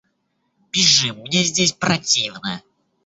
Бежим мне здесь противно!